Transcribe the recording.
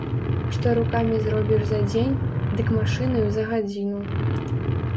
Што рукамі зробіш за дзень, дык машынаю за гадзіну.